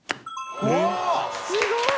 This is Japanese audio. すごい！